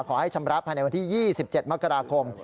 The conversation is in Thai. ขอให้ชำระภายในวันที่๒๗มกราคม